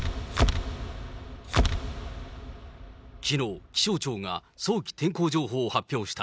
きのう、気象庁が早期天候情報を発表した。